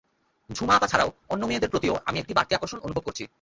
ঝুমা আপা ছাড়াও অন্য মেয়েদের প্রতিও আমি একটা বাড়তি আকর্ষণ অনুভব করছি।